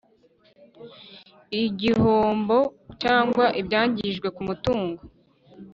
igihombo cyangwa ibyangijwe ku mutungo